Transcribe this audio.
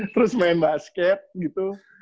terus main basket gitu